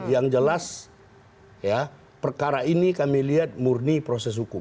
yang jelas ya perkara ini kami lihat murni proses hukum